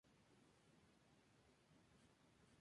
Un total de cinco clubes tomaron parte del certamen.